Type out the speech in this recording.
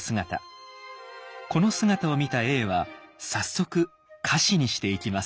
この姿を見た永は早速歌詞にしていきます。